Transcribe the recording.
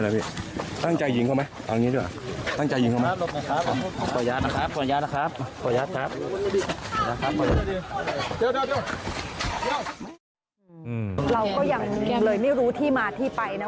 เรายังเลยไม่รู้ที่มาที่ไปนะ